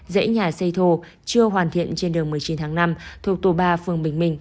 dãy nhà xây thô chưa hoàn thiện trên đường một mươi chín tháng năm thuộc tổ ba phường bình minh